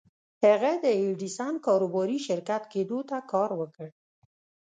هغه د ايډېسن کاروباري شريک کېدو ته کار وکړ.